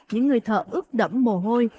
những người thợ ướt đẫm mồ hôi